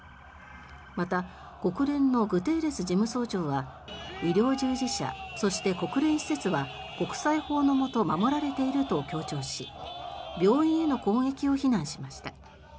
また国連のグテーレス事務総長は医療従事者そして国連施設は国際法のもと守られていると強調し病院への攻撃を非難しました。